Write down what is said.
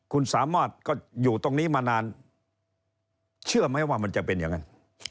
คุณสามารถก็อยู่ตรงนี้มานานเชื่อไหมว่ามันจะเป็นอย่างนั้น